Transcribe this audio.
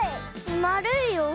まるいよ。